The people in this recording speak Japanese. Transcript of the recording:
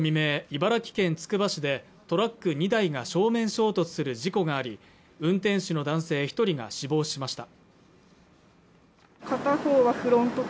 茨城県つくば市でトラック２台が正面衝突する事故があり運転手の男性一人が死亡しました